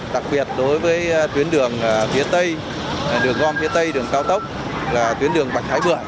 đặc biệt đối với tuyến đường phía tây đường gom phía tây đường cao tốc là tuyến đường bạch thái bưởi